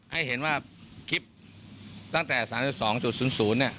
ให้เห็นว่าคลิปตั้งแต่๓๒๐๐เนี่ย